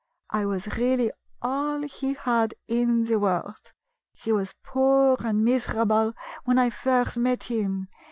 I was really all he had in the world. He was poor and miserable when I first met him.